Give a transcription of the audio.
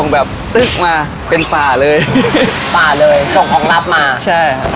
แบบตึ๊กมาเป็นป่าเลยป่าเลยส่งของรับมาใช่ครับ